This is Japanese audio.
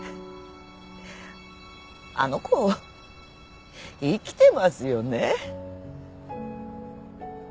あの子生きてますよね。